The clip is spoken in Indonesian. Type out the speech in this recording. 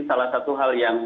salah satu hal yang